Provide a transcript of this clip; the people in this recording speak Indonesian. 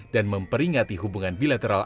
dan memperingati hubungan bilateral